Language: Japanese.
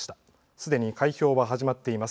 すでに開票は始まっています。